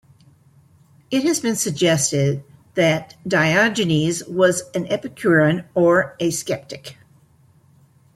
It has been suggested that Diogenes was an Epicurean or a Skeptic.